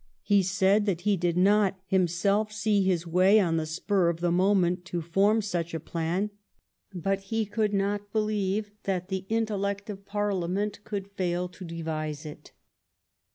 He said that he did not himself see his way, on the spur of the moment, to form such a plan, but he could not HOME RULE 365 • believe that the intellect of Parliament could fail to devise it.